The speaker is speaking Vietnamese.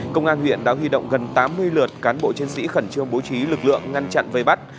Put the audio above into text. công an huyện đã huy động gần tám mươi lượt cán bộ chiến sĩ khẩn trương bố trí lực lượng ngăn chặn vây bắt